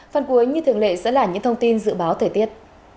phần cuối như thường lệ sẽ là những thông tin dự báo thời tiết